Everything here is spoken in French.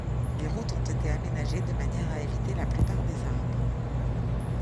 Les routes ont été aménagées de manière à éviter la plupart des arbres.